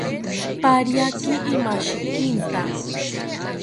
Pariaki imashikinta